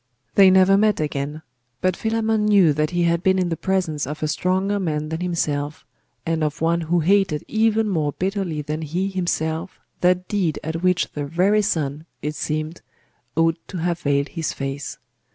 They never met again. But Philammon knew that he had been in the presence of a stronger man than himself, and of one who hated even more bitterly than he himself that deed at which the very sun, it seemed, ought to have veiled his face.